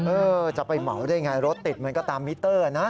เออจะไปเหมาได้ไงรถติดมันก็ตามมิเตอร์นะ